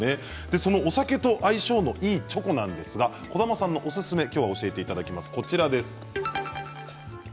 そのお酒と相性のいいチョコなんですが児玉さんのおすすめを教えていただきます。